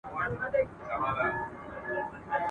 زما د پنځو ورځو پسرلي ته سترګي مه نیسه ..